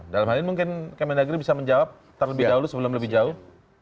dalam hal ini mungkin kemendagri bisa menjawab terlebih dahulu sebelum lebih jauh